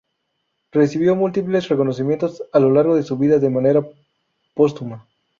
Recibió múltiples reconocimientos a lo largo de su vida y de manera póstuma.